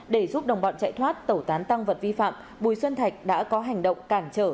để giúp đồng bọn chạy thoát tẩu tán tăng vật vi phạm bùi xuân thạch đã có hành động cản trở